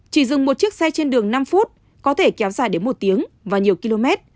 chỉ dừng một chiếc xe trên đường năm phút có thể kéo dài đến một tiếng và nhiều km